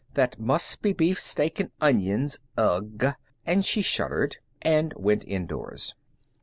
"That must be beefsteak and onions. Ugh!" And she shuddered, and went indoors.